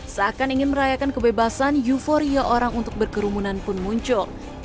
seakan ingin merayakan kebebasan euforia orang untuk berkerumunan pun muncul